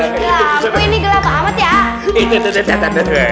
ya ampun ini gelap amat ya